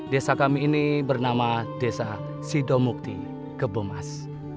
desa kami ini bernama desa sidomukti kebomas